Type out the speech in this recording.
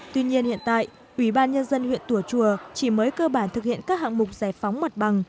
tuy nhiên hiện tại ủy ban nhân dân huyện tùa chùa chỉ mới cơ bản thực hiện các hạng mục giải phóng mặt bằng